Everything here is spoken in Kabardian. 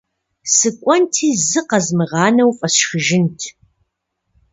Сыкӏуэнти зы къэзмыгъанэу фӏэсшхыжынт.